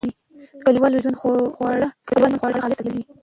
د کلیوالي ژوند خواړه خالص او طبیعي وي.